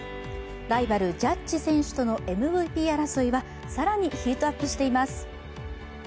ライバル・ジャッジ選手とのＭＶＰ争いは、更にヒートアップしています。